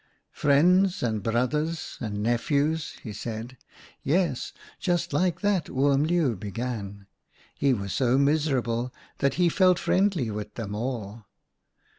"' Friends and brothers and nephews,' he said — yes, just like that Oom Leeuw began ; he was so miserable that he felt friendly with them all.